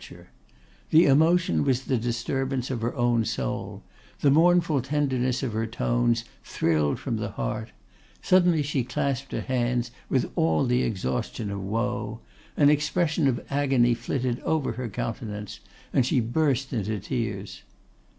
The emotion was the disturbance of her own soul; the mournful tenderness of her tones thrilled from the heart: suddenly she clasped her hands with all the exhaustion of woe; an expression of agony flitted over her countenance; and she burst into tears.